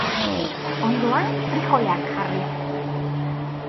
Ondoan, frijoleak jarri.